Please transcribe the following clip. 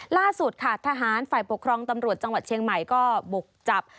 ล่าสุดค่ะทหารฝ่ายปกครองตำรวจจังหวัดเชียงใหม่ก็บุกจับ